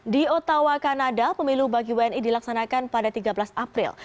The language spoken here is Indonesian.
di ottawa kanada pemilu bagi wni dilaksanakan pada tiga belas april